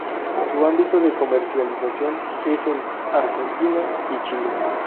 Su ámbito de comercialización es en Argentina y Chile.